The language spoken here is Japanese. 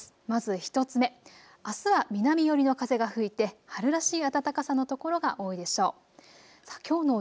まず１つ目、あすは南寄りの風が吹いて春らしい暖かさの所が多いでしょう。